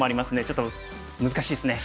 ちょっと難しいですね。